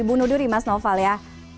ibu nuduri mas noval ya